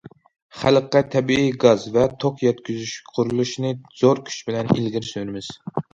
خەلققە تەبىئىي گاز ۋە توك يەتكۈزۈش قۇرۇلۇشىنى زور كۈچ بىلەن ئىلگىرى سۈرىمىز.